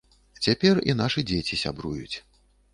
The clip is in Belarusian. Цяпер і нашы дзеці сябруюць.